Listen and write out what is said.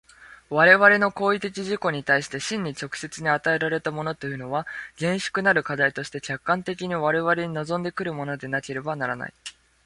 我々の行為的自己に対して真に直接に与えられたものというのは、厳粛なる課題として客観的に我々に臨んで来るものでなければならない。